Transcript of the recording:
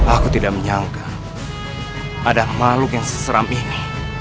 aku tidak menyangka ada makhluk yang seseram ini